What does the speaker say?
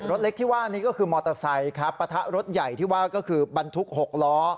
รถเล็กที่ว่านี่ก็คือมอเตอร์ไซค์ครับปะทะรถใหญ่ที่ว่าก็คือบรรทุก๖ล้อ